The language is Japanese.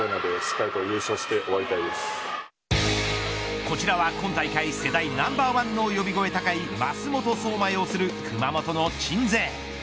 こちらは今大会世代ナンバー１の呼び声高い舛本颯真、擁する熊本の鎮西。